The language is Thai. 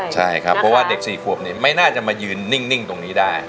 ใช่ครับเพราะว่าเด็ก๔ขวบไม่น่าจะมายืนนิ่งตรงนี้ได้